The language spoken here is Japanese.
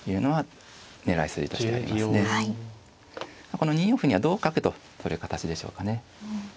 この２四歩には同角と取る形でしょうかね。